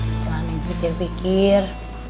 pertanyaan yang gue pikir pikir